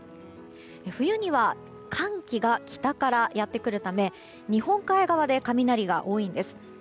冬には、寒気が北からやってくるため日本海側で雷が多いんです。